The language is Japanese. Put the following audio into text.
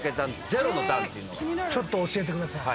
ちょっと教えてください。